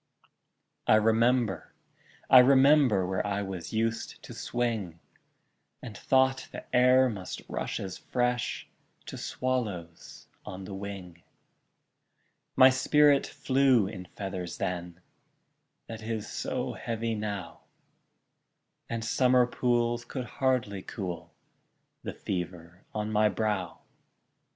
I remember, I remember, Where I was used to swing, And thought the air must rush as fresh To swallows on the wing; My spirit flew in feathers then, That is so heavy now, And summer pools could hardly cool The fever on my brow!